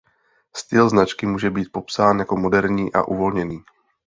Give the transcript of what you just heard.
Styl značky může být popsán jako moderní a uvolněný.